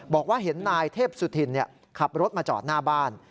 บอกว่าเห็นนายเทพสุธินขับรถมาจอดหน้าบ้าน